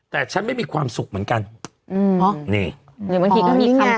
แต่ฉันไม่มีความสุขเหมือนกันอืมนี่หรือบางทีก็มีคำ